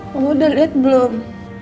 kamu udah liat belum